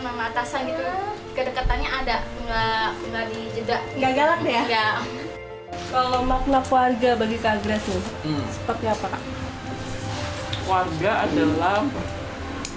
mematasan gitu kedekatannya ada enggak enggak dijeda enggak galak ya kalau makna keluarga